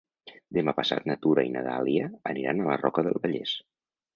Demà passat na Tura i na Dàlia aniran a la Roca del Vallès.